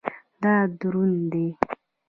دا دروند دی